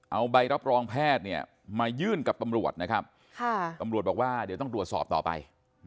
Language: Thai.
เอาใบรับรองแพทย์มายื่นกับตำรวจนะครับตำรวจบอกว่าเดี๋ยวต้องตรวจสอบต่อไป